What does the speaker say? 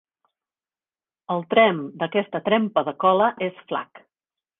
El tremp d'aquesta trempa de cola és flac.